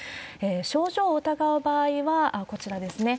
症状を疑う場合は、こちらですね。